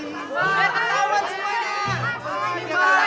iya kan di sini